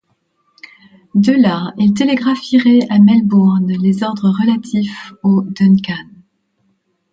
De là, il télégraphierait à Melbourne les ordres relatifs au Duncan.